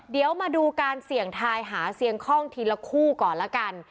เดี๋ยวมาดูการเสี่ยงทายหาเสียงคล่องทีละคู่ก่อนละกัน